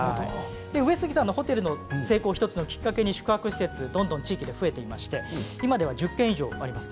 上杉さんのホテルの成功をきっかけに宿泊施設はどんどん増えていて今では１０軒以上あります。